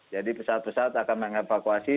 jadi pesawat pesawat akan mengevakuasi